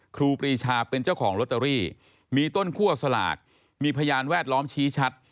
ครูปรีชาเป็นเจ้าของลอตเตอรี่มีต้นคั่วสลากมีพยานแวดล้อมชี้ชัด